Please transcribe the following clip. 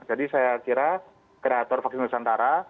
jadi saya kira kreator vaksin nusantara